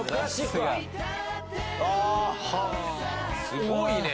すごいね。